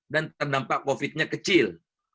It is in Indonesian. dan terdampak covid nya kecil